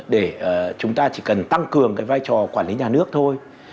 để chúng ta chỉ cần tăng cường cái vai trò quản lý nhà nước thôi